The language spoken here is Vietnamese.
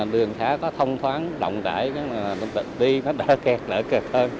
đường khá có thông thoáng động đại đi đỡ kẹt đỡ kẹt hơn